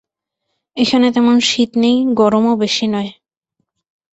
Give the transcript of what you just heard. এখানে তেমন শীত নেই, গরমও বেশী নয়।